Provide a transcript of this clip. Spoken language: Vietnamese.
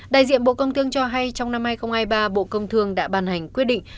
đại diện bộ công thương cho hay trong năm hai nghìn hai mươi ba bộ công thương đã bàn hành quyết định